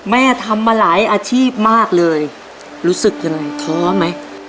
แม่ทำมาหลายอาชีพมากเลยรู้สึกยังไงท้อไหม